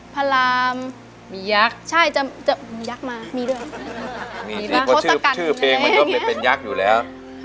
เพราะชื่อเพลงมันยกเป็นยักษ์อยู่แล้ว